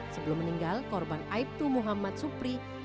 sebelum meninggal korban aibtu muhammadudin